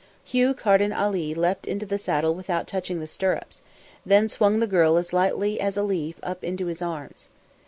Hugh Carden Ali leapt to the saddle without touching the stirrups, then swung the girl as lightly as a leaf up into his arms.